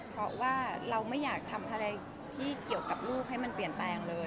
เพราะว่าเราไม่อยากทำอะไรที่เกี่ยวกับลูกให้มันเปลี่ยนแปลงเลย